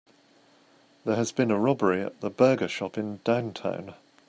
There has been a robbery at the burger shop in downtown.